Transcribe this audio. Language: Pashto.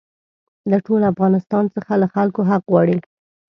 له ټول افغانستان څخه له خلکو حق غواړي.